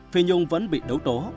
phi nhung vẫn bị đấu tố